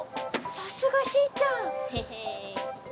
さすがしーちゃん！へへ。